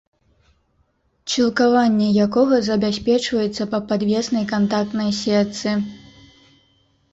Чілкаванне якога забяспечваецца па падвеснай кантактнай сетцы